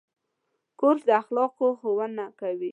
کورس د اخلاقو ښوونه کوي.